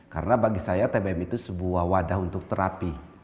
karena bagi saya tbm itu sebuah wadah untuk terapi